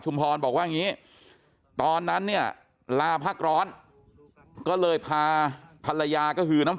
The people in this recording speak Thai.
บอกว่าอย่างนี้ตอนนั้นเนี่ยลาพักร้อนก็เลยพาภรรยาก็คือน้ำ